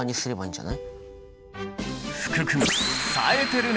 福君さえてるね！